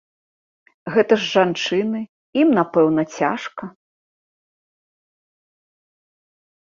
Гэта ж жанчыны, ім напэўна цяжка.